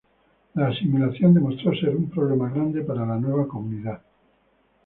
La asimilación demostró ser un problema grande para la nueva comunidad.